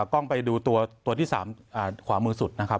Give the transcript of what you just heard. กล้องไปดูตัวที่๓ขวามือสุดนะครับ